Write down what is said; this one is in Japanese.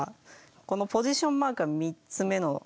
このポジションマークが３つ目の。